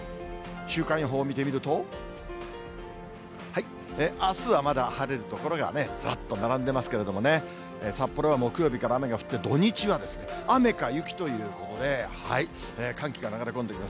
週間予報を見てみると、あすはまだ晴れる所がずらっと並んでますけれどもね、札幌は木曜日から雨が降って、土日は雨か雪ということで、寒気が流れ込んでくる。